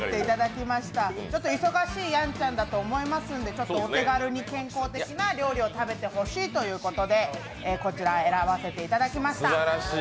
忙しいやんちゃんだと思いますんで、お手軽に健康的な料理を食べてほしいということでこちら、選ばせていただきました。